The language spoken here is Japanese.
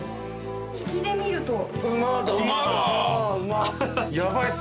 引きで見ると。